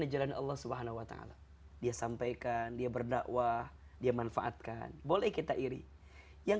jalan allah swt dia sampaikan dia berdakwah dia manfaatkan boleh kita iri yang